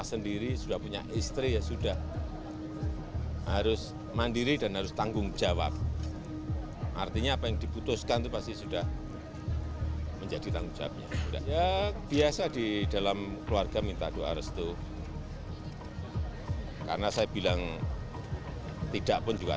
seperti itu kalau mau tahu